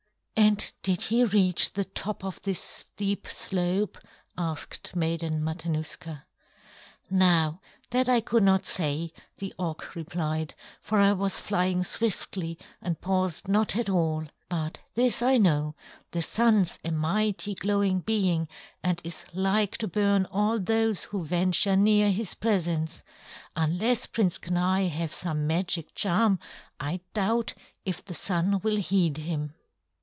"And did he reach the top of this steep slope?" asked Maiden Matanuska. "Now that I could not say," the Auk replied, "for I was flying swiftly and paused not at all. But this I know; the Sun's a mighty, glowing being and is like to burn all those who venture near his presence. Unless Prince Kenai have some magic charm, I doubt if the Sun will heed him."